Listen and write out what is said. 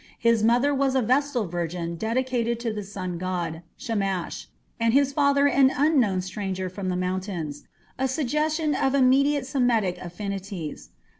His mother was a vestal virgin dedicated to the sun god, Shamash, and his father an unknown stranger from the mountains a suggestion of immediate Semitic affinities.